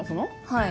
はい。